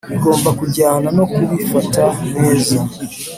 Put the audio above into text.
Bigomba kujyana no kubifata neza.